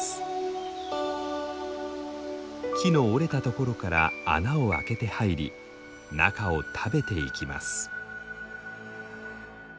木の折れたところから穴を開けて入り中を食べていきます。